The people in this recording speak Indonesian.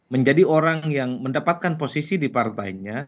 menjadi orang yang mendapatkan posisi di partainya